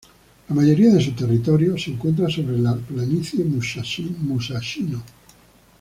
La mayoría de su territorio se encuentra sobre la planicie Musashino.